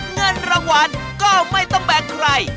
เงินรางวัลก็ไม่ต้องแบกใคร